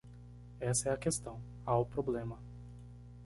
Essa é a questão. Há o problema.